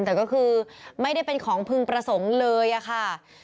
แต่ก็คือไม่ได้เป็นของพึงประสงค์เลยอะค่ะ